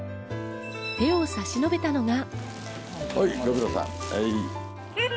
手を差し伸べたのが。